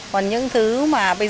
còn những thứ mà bây giờ